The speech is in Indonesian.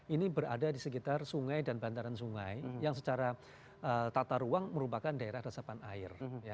ini berada di sekitar sungai dan bantaran sungai yang secara tata ruang merupakan daerah resapan air